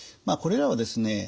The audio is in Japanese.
これらはですね